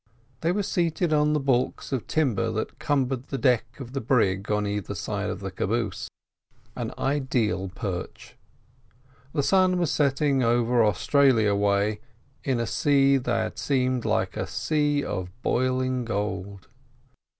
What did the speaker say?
They were seated on the baulks of timber that cumbered the deck of the brig on either side of the caboose. An ideal perch. The sun was setting over Australia way, in a sea that seemed like a sea of boiling gold.